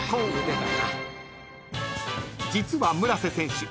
［実は村瀬選手